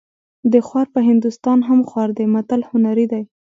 د خوار په هندوستان هم خوار دی متل هنري دی